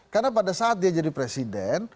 karena pada saat dia jadi presiden